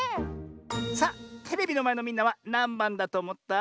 さあテレビのまえのみんなはなんばんだとおもった？